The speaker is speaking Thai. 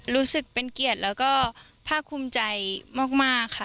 รู้สึกเป็นเกียรติแล้วก็ภาคภูมิใจมากค่ะ